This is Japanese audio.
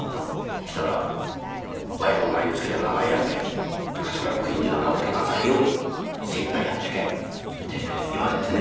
そしたら「わいがお前につけた名前やんけ」「桂小金治の名を汚さんように精いっぱいやっていけ」って言われてね。